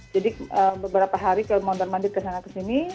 jadi beberapa hari kalau mau bermandit kesana kesini